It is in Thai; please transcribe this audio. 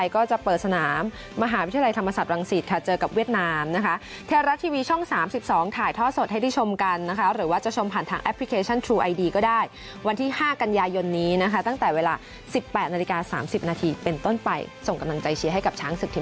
ก็จะทำผลงานให้มันดีที่สุดครับ